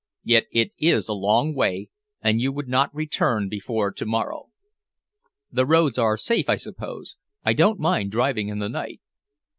Yet it is a long way, and you would not return before to morrow." "The roads are safe, I suppose? I don't mind driving in the night."